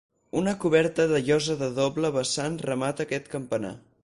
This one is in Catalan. Una coberta de llosa de doble vessant remata aquest campanar.